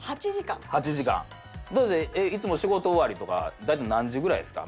いつも仕事終わりとか大体何時ぐらいですか？